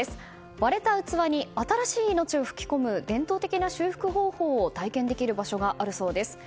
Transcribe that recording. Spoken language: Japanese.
割れた器に新しい命を吹き込む伝統的な修復方法を体験できる場所があるそうです。